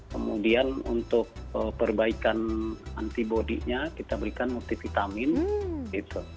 kemudian untuk perbaikan antibodinya kita berikan multivitamin gitu